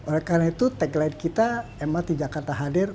oleh karena itu tagline kita mrt jakarta hadir